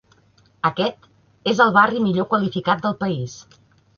Aquest és el barri millor qualificat del país.